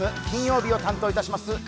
金曜日を担当いたします